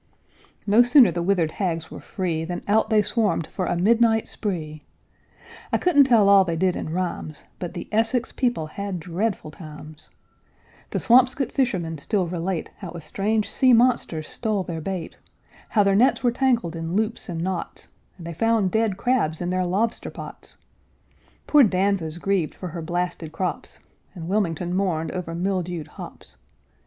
No sooner the withered hags were free Than out they swarmed for a midnight spree; I couldn't tell all they did in rhymes, But the Essex people had dreadful times. [Illustration: "The withered hags were free"] The Swampscott fishermen still relate How a strange sea monster stole their bait; How their nets were tangled in loops and knots, And they found dead crabs in their lobster pots. Poor Danvers grieved for her blasted crops, And Wilmington mourned over mildewed hops.